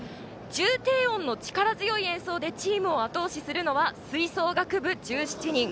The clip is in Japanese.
重低音の力強い演奏でチームをあと押しするのは吹奏楽部、１７人。